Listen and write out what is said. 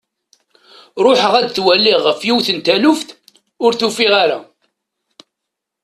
Ruḥeɣ ad t-waliɣ ɣef yiwet n taluft, ur t-ufiɣ ara.